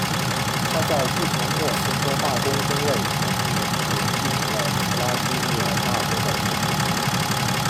他在继承莫斯科大公公位同时也继承了弗拉基米尔大公的头衔。